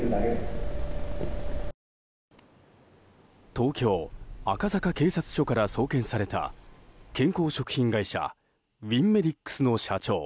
東京・赤坂警察署から送検された健康食品会社ウィンメディックスの社長